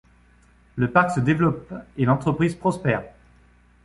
Le parc se développe et l'entreprise prospère.